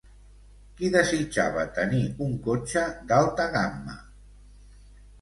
Qui desitjava tenir un cotxe d'alta gamma?